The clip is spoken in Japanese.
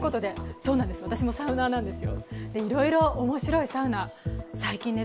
私もサウナーなんです。